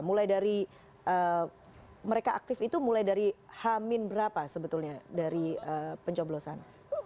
mulai dari mereka aktif itu mulai dari hamin berapa sebetulnya dari pencoblosan